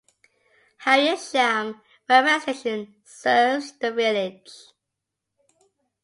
Harrietsham railway station serves the village.